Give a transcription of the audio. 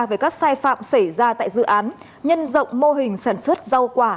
về các sai phạm xảy ra tại dự án nhân rộng mô hình sản xuất rau quả